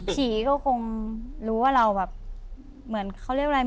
ผีก็คงรู้ว่าเราแบบเหมือนเขาเรียกอะไร